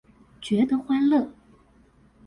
覺得歡樂